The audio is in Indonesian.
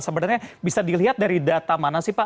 sebenarnya bisa dilihat dari data mana sih pak